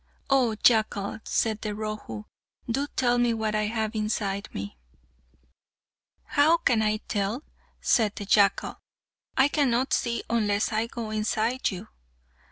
"Oh, jackal," said the Rohu, "do tell me what I have inside me." "How can I tell?" said the jackal. "I cannot see unless I go inside you."